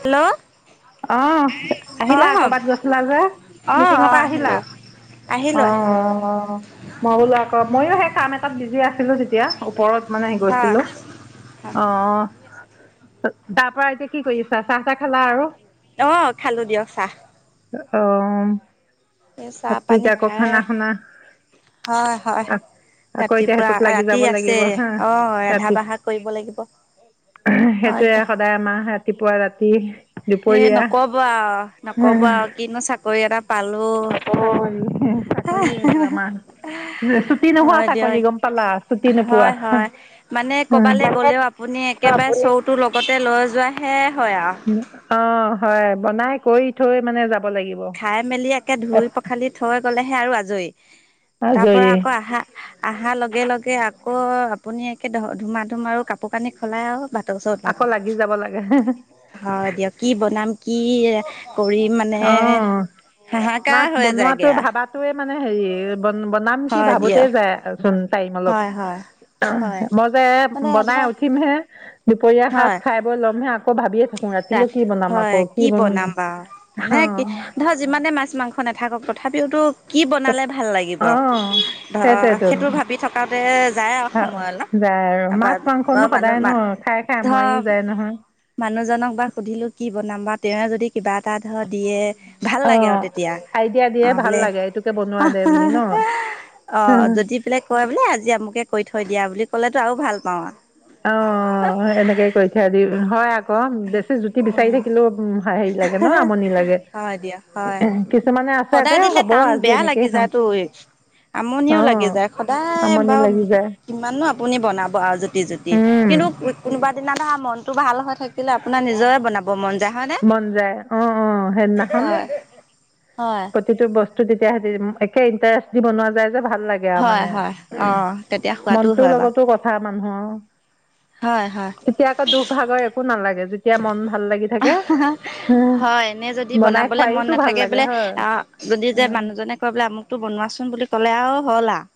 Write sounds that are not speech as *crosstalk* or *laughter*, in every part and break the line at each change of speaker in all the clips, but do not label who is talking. Hello.
অ',
অ
আহিলা কৰবাত গৈছিলা যে,
অ
মিটিঙৰ পৰা আহিলা?
আহিলো
অ',
আহিলো আহিলো
অ', অ', মই বোলো আকৌ, ময়ো সেই কাম এটাত বিজি আছি ছিলো তেতিয়া, ওপৰত মানে আহি
হয়
গৈছিলো,
হয়
অহ। তাৰ পৰা এতিয়া কি কৰি আছা? চাহ চাহ খালা আৰু?
অ', খালো দিয়ক চাহ।
অ',
এই চাহ
তাকেই
পানী
এতিয়া আকৌ
খাই
খানা শুনা।
হয় হয়।
আকৌ এতিয়া
ৰাতিপুৱা
সেইটোত লাগি যাব
ৰাতি
লাগিব
আছেই,
হা।
অ', ৰান্ধা বঢ়া কৰিব লাগিব। হয়
সেইটোয়েই সদায় আমাৰ ৰাতিপুৱা ৰাতি।
হেই
দুপৰীয়া
নকব আৰু, নকব আৰু কিনো চাকৰি এটা পালো।
অ', চাকৰি চাকৰিয়েটো আমাৰ ছুটি নোহোৱা
হয়
চাকৰি
দিয়ক,
গম পালা ছুটি নোপোৱা
হয় হয়। মানে কবালৈ গ'লেও আপুনি একেবাৰে চৌ তো লগতে লৈ যোৱা
অ', হয়, বনাই কৰি থৈ মানে যাব লাগিব
খাই মেলি একে ধুই পখালি থৈ গলেহে আৰু আজৰি। তাৰ পৰা
আজৰি
আকৌ আহা আহা লগে লগে আকৌ আকৌ আপুনি একে ধুমা ধুম আৰু কাপোৰ কানি খলাই আৰু ব
আকৌ লাগি যাব লাগে
হয় দিয়ক, কি বনাম কি? কৰিম মানে। হাহাকাৰ
ভাত
হৈ
বনোৱাটো
যায়গে আ
ভাবাটোয়েই মানে হেৰি বন বনাম কি
হয়
ভাবোতেই
দিয়ক
যায়চোন টাইম অলপ।
হয় হয় হয়
মই যে
মানে
বনাই
ধৰ
উঠিমহে দুপৰীয়া সাজ
হয়
খাই বৈ ল'মহে, আকৌ ভাবিয়েই থাকো ৰাতিলৈ
ৰাত
কি বনাম
হয়
আকৌ কি বনাম?
বাৰু মানে কি, ধৰ যিমানে মাছ মাংস নাথাকক তথাপিওতো কি
অ
বনালে ভাল লাগিব?
অ
ধৰ
সেইটোৱেতো
সেইটো ভাবি থকাতে যায় আৰু
ভা-
সময় অলপ,
যায় আৰু মাছ মাংসনো
বৰ মানুহ
সদায় ন খাই খাই আমুৱাইও
ধৰ
যায় নহয়
মানুহজনক বা সুধিলো কি বনাম? বা তেৱেই যদি কিবা এটা ধৰ দিয়ে। ভাল
অ
লাগে আৰু তেতিয়া।
আইডিয়া দিয়ে
অ'
ভাল
বোলে
লাগে এইটোকে বনোৱা দে বুলি ন
অ' যদি বোলে কয় বোলে আজি আমুকে কৰি থ থৈ দিয়া বুলি ক'লেতো আৰু ভাল পাওঁ আৰু
অ' এনেকেই কৰি থিয় দি হয় আকৌ বেছি জুতি বিচাৰি
উম
থাকিলোও উ হেৰি লাগে ন আমনি লাগে
হয় দিয়া হয়
কিছুমানে আছে আকৌ
সদায়
এ
দিলে
হ'ব
টান
আজি
বেয়া
এনেকেই
লাগি
খাওঁ
যায় তো।
অ
আমনিও লাগি যায় সদায়
আমনি
বাৰু
লাগি যায়
কিমাননো আপুনি বনাব আৰু জুতি জুতি
উম
কিন্তু কোনোবা দিনা ধৰা মনতটো ভাল হৈ থাকিলে আপোনাৰ নিজৰে বনাব মন যায় হয় ন?
মন যায় অ' অ' সেইদিনাখন
হয়
প্ৰতিটো বস্তু তেতিয়া স একে ইণ্টাৰেষ্ট দি বনোৱা যায়। ভাল লাগে আৰু
হয়
মানে
হয় অ তেতিয়া খোৱাতো
মনটোৰ
হয় বাৰু
লগতো কথা মানৰ
হয় হয়
তেতিয়া আকৌ দুখ ভাগৰ একো নালাগে যেতিয়া মন। ভাল লাগি থাকে হ
হয় এনে যদি
বনাই
বনাবলৈ মন
খুৱাইওতো ভাল
নাথাকে
লাগে
বোলে
হয়।
যদি যে মানুহজনে কয় বোলে আমুোকতটো বনোৱাচোন বুলি ক'লে আৰু হ'ল আৰু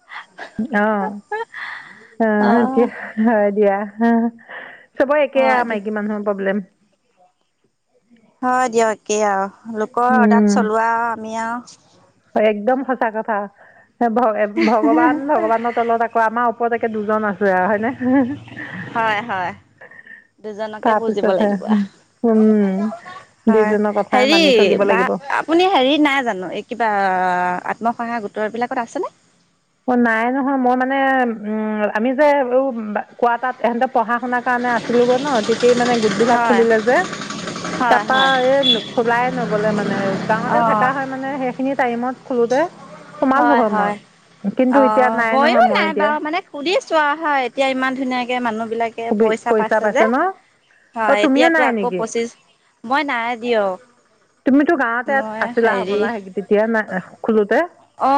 অ'
আও
আহয়া হয় দিয়া। চবৰ একে
হয় দিয়
মাইকী মানুহৰ প্ৰব্লেম।
হয় দিয়ক একেই আৰু লোকৰ অৰ্ডাত চলোৱা আৰু আমি আৰু
হয় একদম সঁচা কথা ভ ভগৱান ভগৱানৰ তলত আকৌ আমাৰ, ওৰতে দুজন আছো আৰু হয়নে।
হয় হয় দুজনকে
তাৰ
পুজিব
পিছতহে
লাগিব
উম
হয়
দুইজনৰ কথাই
হেৰি
মানি চলিব
বা
লাগিব।
আপুনি হেৰি নাই জানো এই কিবা আত্মসহায়ক গোটৰ বিলাকত আছেনে।
অ নাই নহয় মই মানে উম আমি যে কোৱা তাত এহতে পঢ়া শুনা কাৰণে। মান আছিলো গৈ ন তেতিয় মানে গোট বিলাক
হয়
খুলিলে যে।
হয়
তাৰপা
হয়
এই খোলাই নগলে মানে
অ
গাঁৱতে থাককা হয় মানে সেইখিনি টাইমত খোলোতে সমাজহ
হয়
মই
হয়
কিন্তু
অ
এতিয়া নাই নহয়
ময়ো
মই
নাই
এতিয়া
বাৰু মানে সুধ চোৱা হয়া এতিয়া ইমান ধুনীয়াকে মানে ত পইচা পাইছে যে
অঁ
হয়
তুমিও
এতিয়াতো
নাই
আকৌ
নেকি
পচিছ মই নাই দিয়ক।
তুমিতো গাঁৱতে
মই
আছিলা
হেৰি
হ'বলা সে তেতিয়া না খোলোতে?
অ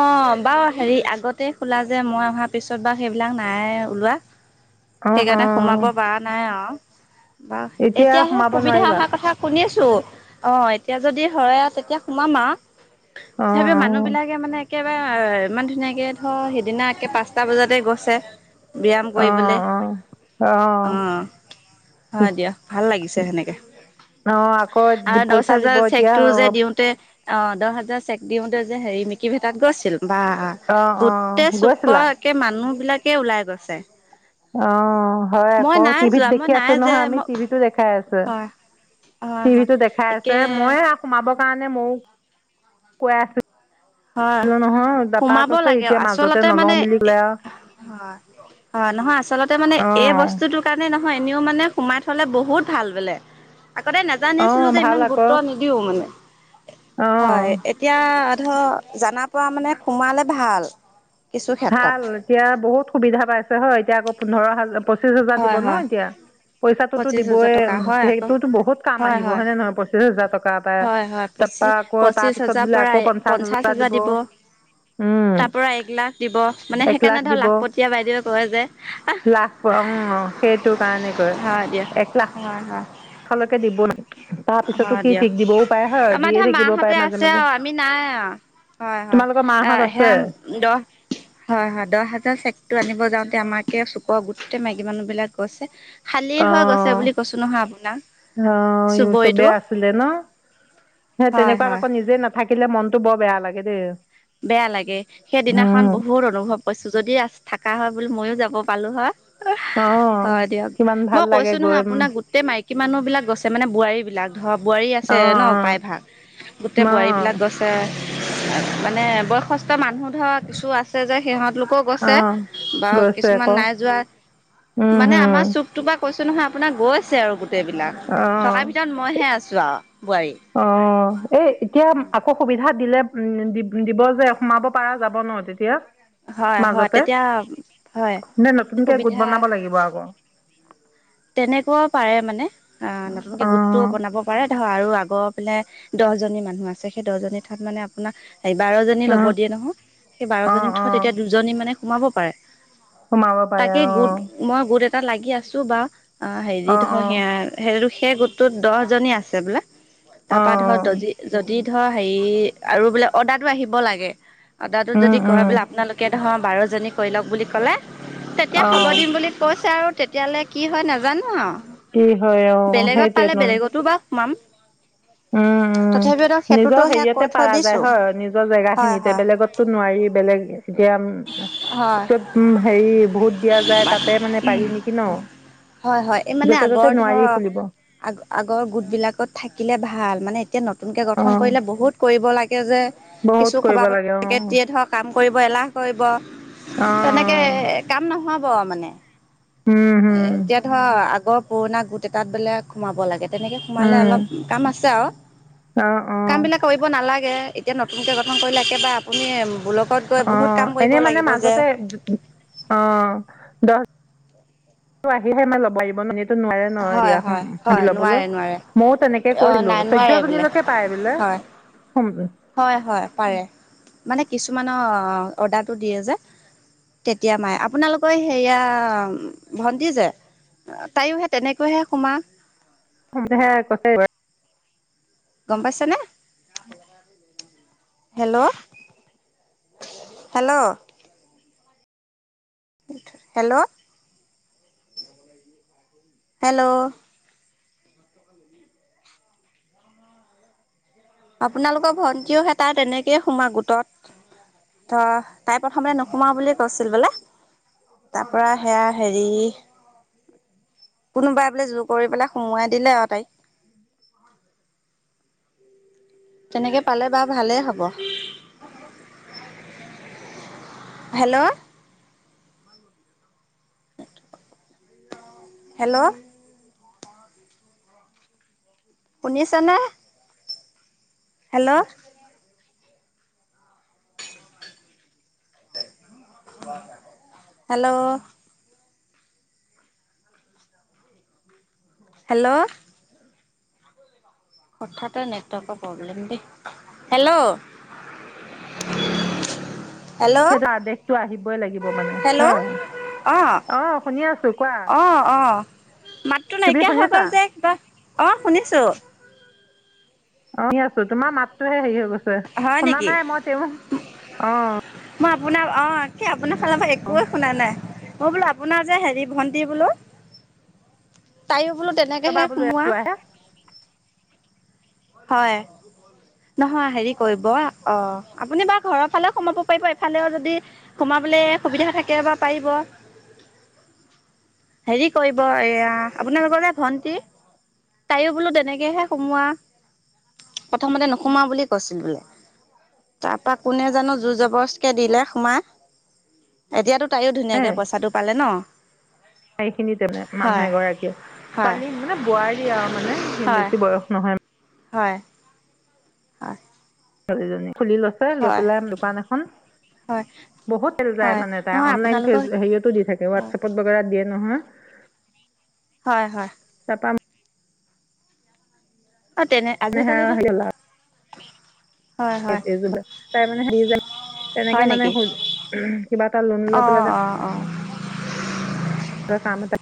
বাৰু হেৰি আগতে খোলা যে মই অহাৰ পিছত বাৰু সেইবিলাক নাই ওলোৱা।
অঁ
সেইকাৰণে
অঁ
সোমাব পৰা নাই আৰু বাৰু
এতিয়া
এতিয়াহে
সোমাব
সুবিধা
নোৱাৰিবা
অহাৰ কথা শুনেছো। অ এতিয়া যদি হয় আৰু তেতিয়া সোমাম আৰু
অঁ
তথাপি মানুহ,
অঁ
মানে একেবাৰে ইমান ধুনাকে ধৰ সিদিনা একে পাঁচটা বজাতে গৈছে। ব্যায়াম কৰিবলে
অঁ অঁ অঁ
অ, হয় দিয়া ভাল লাগিছে সেনেকে।
অঁ আকৌ
আৰু
দি-
দচ
পইচা দিব
হোজাৰ
এতিয়া
চেকতটো যে
অঁ
দিওঁতে, অ দহ হাজাৰ চেক দিওঁতে যে হেৰি মিকি ভেটাত গৈছিল। বা
অঁ
গোটেই চুক
গৈছিলা
একে মানুহ বিলাকে ওলাই গৈছে।
অ হয়
মই
আকৌ
নাই
টিভিত
যোৱা মই
দেখি
নাই
আছো
যে
নহয় আমি
মই
টিভিতো দেখাই আছো।
হয় হয় হয়
টিভিতো দেখাই আছে
একে
মই সোম চব কাৰণে ময়ো কৈ আছিলো।
হয় সোমাব লাগে
এতিয়া মাজতে
আচলতে
নলওঁ
মানে
বুলি
এ
ক'লে আৰু
হয় হয় নহয় আচলতে মানে এই
অঁ
বস্তুটোৰ কাৰণে নহয় এনেও মানে, সোমাই থলে বহুত ভাল বোলে আগতে
অঁ
নাজানিছিলোঁ যে
ভাল
ইমান
আকৌ
গুৰুত্ব নিদিওঁ মানে।
অঁ
হয় এতিয়া ধৰ জানা পৰা মানে সোমালে ভাল কিছু ক্ষেত্ৰত।
ভাল এতিয়া বহুত সুবিধা পাইছে হয় এতিয়া আকৌ পোন্ধৰ হাজাৰ পঁচিশ হেজাৰ দিব
হয়
ন
হয়
এতিয়া, পইচাটোতো
পঁচিশ হাজাৰ
দিবই
টকা হয় আকৌ
সেইটোতো বহুত কাম
হয়
আহিব
হয়।
হয়নেে নহয় পচিশ হাজাৰ টকা
হয় হয়
এ
পঁচি
তাৰা আকৌ
পঁচিছ
তাৰ পিছত
হাজাৰ
বোলে
পৰা
আকৌ পঞ্চাশ হজাৰ
হাজাৰ
দিব। উম
তাৰ পৰা এক লাখ দিব মানে
এক
সেইকাৰণে ধৰ
দিব
লাখ পতিয়াই বাইদেৱে কয় যে।
লাখ পোৱা উম সেইটো কাৰণে কয়
হয় দিয়ক।
এক
হয় হয়
লাখালৈকে। দিব তাৰ পিছতো
হয়
কি
দিয়ক
ঠিক দিবও পায় হয়
আমাৰ
দিয়ে
ধৰা
থাকিব
মাহঁতে
পাৰে মাজে
আছে
মাজে।
আৰু আমি নাই আৰু। হয় হয়
তোমালোকৰ মাহঁত আছে
সেয়া দহ হয় হয় দহ হাজাৰ চেকটো আনিব যাও, আমাৰ কেে চুকৰ গোটতে মাইকী মানুহ বিলাক গৈছে। শালিৰ
অ
হৈ গছে বুলি কৈছো নহয় আপোনাক চুব
বেয়া আছিলে ন? সে
হয়
তেনেকুৱাত
হয়
আকৌ নিজে নাথাকিলে মনতটো বৰ বেয়া লাগে দেই,
বেয়া লাগে সেইদিনাখন
উম।
বহুত অনুভৱ কৈছো যদি থাক থকা হয় বুলি ময়ো যাব পালোঁ হয়।
অঁ
হয় দিয়ক,
কিমান ভাল
মই
লাগে
কৈছো নহয়
গৈ
আপোনাৰ গোটেই মাইকী মানুহ বিলাক গছে মানে বোৱাৰী বিলাক। ধৰ বোৱাৰী আছে
অঁ
ন
অঁ
প্ৰায়ভাগ গোটেই
অঁ
বোৱাৰীবিলাক গছে মানে বয়সস্থ মানুহ ধৰা কিছু আছে যে সিহঁত লোকও গৈছে
অঁ
বা
গৈছে
কিছুমান
আকৌ
নাই যোৱা
উম
মানে
হম
আমাৰ চুকটোৰ পৰা কৈছো নহয় আপোনাৰ গৈ আছে আৰু গোটেই এইবিলাক
অঁ
থকাৰ ভিতৰত মইহে আছো আৰু বোৱাৰী।
অ এই এতিয়া আকৌ সুবিধা দিলে উম দিব যে সোমাব পাৰা যাব ন তেতিয়া,
হয় হয়
মাজতে
তেতিয়া হয়।
নে নতুনকে গোট
সুবিধা
বনাব লাগিব আকৌ?
তেনেকুৱাও পাৰে মানে আ, নতুনকে গোটটো
অঁ
বনাব পাৰে আৰু আগৰ পিনে দহজনী মানুহ আছে সেই দহজনী ঠাত মানে আপোনাৰ এ বাৰজনী ল'ব
অঁ
দিয়ে নহয়, সেই
অঁ
বাৰজনী থ'
অঁ
তেতিয়া দুজনী মানে সোমাব পাৰে।
সোমাব পাৰে
তাকে গোট
অঁ
মই গোট এটা এটা লাগি আছো বা অ হেৰি
অঁ
ধৰ
অঁ
সেয়া সেই গোটটোত দহ জনী আছে বোলে তাৰপা ধৰ
অঁ
দজি যদি ধ হেৰি আৰু বোলে অৰ্ডাৰটো আহিব লাগে, অৰ্ডাৰটো
উম
যদি
উম
কয় বোলে আপোনালোকে ধৰ বাৰজনী কৰি লওক বুলি কলে তেতিয়া হ'ব
অঁ
দিম বুলি কৈছে আৰু তেতিয়ালে কি হয় না নাজানো
কি হয় অ
আৰু বেলেগত পালে
সেইটোৱেতো
বেলেগতো বা সোমাম।
উম, উম,
তথাপিও ধৰ সেইটোতো
নিজৰ
সেয়া কৈ
হেৰিয়তে
থৈ
পাৰা যায়
দিছো
হয় নিজৰ জেগা
হয়
খিনিতে
হয়
বেলেগতো নোৱাৰি বেলেগ এতিয়া,
হয়
হেৰি ভূত দিয়া যায় তাতে মানে পাৰি নেকি ন?
হয় - হয়, এই মানে
য'তে ত'তে
আগৰ ধৰ
নোৱাৰি খুলিব
আগ আগৰ গোট বিলাকত থাকিলে ভাল মানে এ নতুনকে
অ
গঠন কৰিলে বহুত কৰিব লাগে যে,
বহুত
কিছু
কৰিব
সভা
লাগে অ অ
*unintelligible* কাম কৰিব এলাহ কৰিব
অ
তেনেকে কাম নহব মানে
উম, হুম
অ', আগৰ পুৰণা গোট এটাত বেলেগ সোমাব লাগে তেনেকে সোমালে
উম
অলপ কাম আছে আৰু
অ অ
কাম বিলাক কৰিব নালাগে এতিয়া নতুনকে গঠন কৰিলে একেবাৰে আপুনি গৈ বহুত
অ',
কাম কৰিব
এনে মানে
লাগিব যে।
মাজতে অ', দশ আহিহে মানে ল'ব লাগিব ন' এটো নোৱাৰে ন'
হয়
এতিয়া হুম
হয় হয়
ল'বলৈ?
নোৱাৰে নোৱাৰে
ময়ো তেনেকে
অ
কৰিলো
নাই
চৈধ্য
নোৱাৰে বোলে
জনীলৈকে পাই বোলে
হয়।
সোমহে
হয় - হয়, পাৰে মানে কিছুমানৰ অৰ্ডাৰটো দিয়ে যে তেতিয়া মায়ে আপোনালোকৰ সেয়া ভন্টি যে তাইওহে তেনেকৈহে সোমা
*unintelligible* কছে
গম পাইছানে? হেল্ল' হেল্ল' হেল্ল' হেল্ল' আপোনালোকৰ ভন্টিও হে তাই তেনেকেই সোমা গোটত। ত' তাই প্ৰথমে নোসুমাও বুলি কৈছিল বোলে তাৰ পৰা সেয়া হেৰি কোনোবাই বোলে জোৰ কৰি পেলাই সোমোৱাই দিলে আৰু তাইক।
*inaudible*
তেনেকে পালে বাৰু ভালেই হ'ব হেল্ল' হেল্ল' শুনিছে নে? হেল্ল' হেল্ল' হেল্ল' হঠাতে নেটৱৰ্কৰ প্ৰব্লেম দেই হেল্ল'
*inaudible*
হেল্ল'
সেইটো, আদেশটো আহিবই লাগিব মানে।
হেল্ল'
*unintelligible*
অঁ
অ'! শুনি আছোঁ, কোৱা?
অঁ অঁ মাতটো
তুমি
নাইকিয়া হৈ গ'ল‌
শুনিছা
যে, কিবা। অ'! শুনিছোঁ।
আমি আছো তোমাৰ মাতটোহে হেৰি হ
হয়
শুনা
নেকি
নাই মই তেওঁ অ
মই আপোনাৰ অ কি আপোনাৰ ফালৰ পৰা একোৱে শুনা নাই। মই বোলো আপোনাৰ যে হেৰি ভণ্টি বোলো তাই বোলো
কবা
তেনেকেহে
বোলো
সোমোৱা।
একটো আহে
হয়। নহয় হেৰি কৰিব অ আপুনি বাৰু ঘৰৰ ফালেও সোমাব পাৰিব এফালেও যদি সোমাব বোলে সুবিধা থাকে বা পাৰিব
*inaudible*
হেৰি কৰিব এয়া আপোনালোকৰ যে ভন্টি তাইও বোলো তেনেকেহে সোমোৱা প্ৰথমতে, নোসোমাও বুলি কৈছিল, বোলে। তাৰপা, কোনে জানোঁ! জোৰজবৰজকে দিলে সোমাই। এতিয়াতো, তাইয়ো ধুনীয়াকে পইচাটো পালে ন'!
সেইখিনি তেনে মানুহ
হয়
এগৰাকীয়ে,
হয়
ছোৱালী মানে বোৱাৰি আৰু মানে
হয়
বেছি বয়স নহয়।
হয় হয়
ছোৱালীজনী খুলি লৈছে লৈ
হয়
পেলাই দোকান এখন
হয়
বহুত যায়
হয়
মানে তাই
নহয়
অনলাইন ফে
আপোনালোকৰ
হেৰীয়াটো দি থাকে
হয়
হোৱাটছএপ নহয়।
হয় হয়।
তাৰপা
অ তেনে
মানে
আজিকালিতো
হেৰি
হয় হয়
*unintelligible* তাই মানে তেনেকে
হয়
মানে
নেকি
হ কিবা এটা লোন লৈ
অ
পেলাই
অ অ
কাম এটাত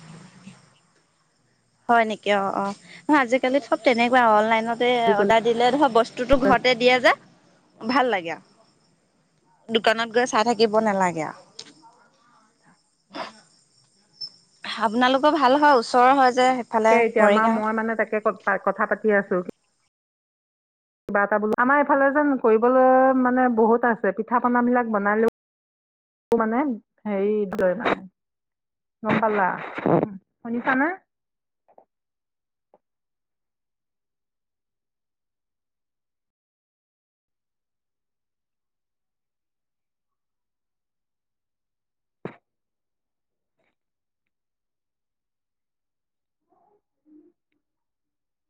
হয় নেকি অ', অ' ময় আজিকালি চব তেনেকুৱা অনলাইনত যে
কৰিলোঁ
অৰ্ডাৰ দিলে ধৰ বস্তুতটো ঘৰতে দিয়া যে। ভাল লাগে দোকানত গৈ চাই থাকিব নালাগে আও।
*inaudible*
আপোনালোকৰ ভাল হয় ওচৰৰ হয় যে সেইফালে
তাকে এতিয়া আমাৰ
মৰিগাঁও।
মই মানে *unintelligible* কথা পাতি আছো। কিবা এটা বোলো আমাৰ এইফালে যেন কৰিবলৈ মানে বহুত আছে পিঠা পনাবিলাক বনালো। *unintelligible* মানে হেৰি লয় মানে। গম পালা শুনিছা নে? *inaudible*